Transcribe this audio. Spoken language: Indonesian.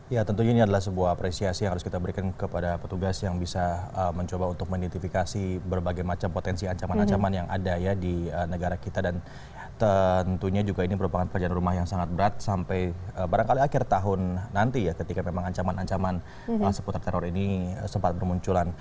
ya tentunya ini adalah sebuah apresiasi yang harus kita berikan kepada petugas yang bisa mencoba untuk mengidentifikasi berbagai macam potensi ancaman ancaman yang ada ya di negara kita dan tentunya juga ini merupakan pekerjaan rumah yang sangat berat sampai barangkali akhir tahun nanti ya ketika memang ancaman ancaman seputar teror ini sempat bermunculan